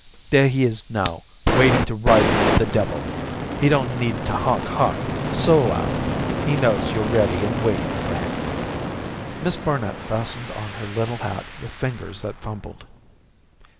There he is now, waiting to ride you to the devil. He don't need to honk honk so loud; he knows you're ready and waiting for him." Miss Barnet fastened on her little hat with fingers that fumbled.